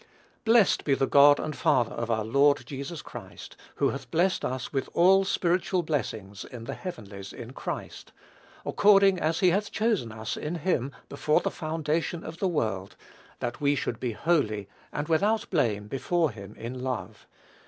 "Blessed be the God and Father of our Lord Jesus Christ, who hath blessed us with all spiritual blessings in the heavenlies in Christ; according as he hath chosen us in him before the foundation of the world, that we should be holy and without blame before him in love."